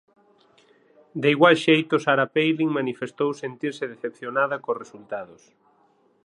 De igual xeito Sarah Palin manifestou sentirse "decepcionada" cos resultados.